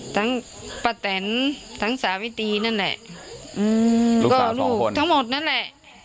ทั้งพัดแสนทั้งสาปิตีนั่นแหละทั้งหมดนั่นแหละ